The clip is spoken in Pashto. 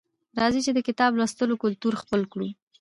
راځئ چې د کتاب لوستلو کلتور خپل کړو